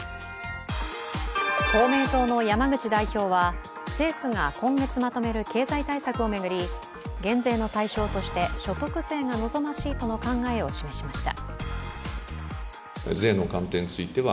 公明党の山口代表は、政府が今月まとめる経済対策を巡り、減税の対象として所得税が望ましいとの考えを示しました。